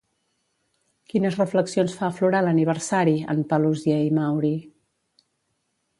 Quines reflexions fa aflorar l'aniversari en Paluzie i Mauri?